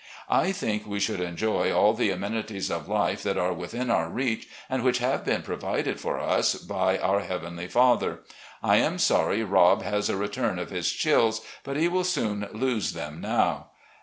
I think we should enjoy all the amenities of life that are within our reach, and which have been provided for us by our Heavenly Father. ... I am sorry Rob has a return of his chills, but he will soon lose them now.